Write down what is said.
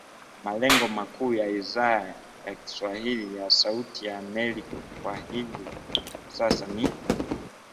Malengo makuu ya Idhaa ya kiswahili ya Sauti ya Amerika kwa hivi sasa ni